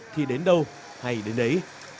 thì đến đâu hay đến đấy